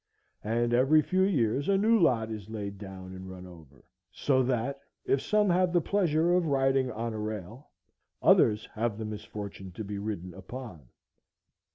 And every few years a new lot is laid down and run over; so that, if some have the pleasure of riding on a rail, others have the misfortune to be ridden upon.